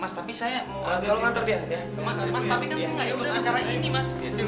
mas tapi kan saya gak ikut acara ini mas